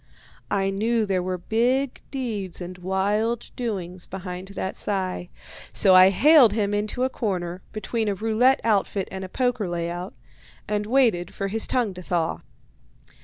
I knew there were big deeds and wild doings behind that sigh, so I haled him into a corner, between a roulette outfit and a poker layout, and waited for his tongue to thaw.